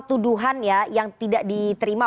tuduhan ya yang tidak diterima